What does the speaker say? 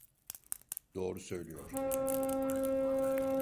Doğru söylüyor.